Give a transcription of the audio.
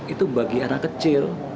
itu bagi anak kecil